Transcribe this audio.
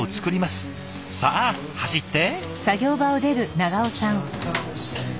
さあ走って。